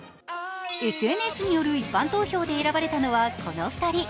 ＳＮＳによる一般投票で選ばれたのはこの２人。